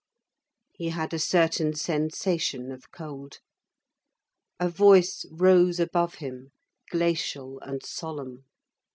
He had a certain sensation of cold. A voice rose above him, glacial and solemn.